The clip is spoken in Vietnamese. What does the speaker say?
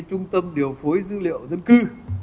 trung tâm điều phối dữ liệu dân cư